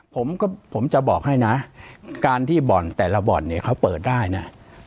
ผมก็ผมจะบอกให้นะการที่บ่อนแต่ละบ่อนเนี่ยเขาเปิดได้นะ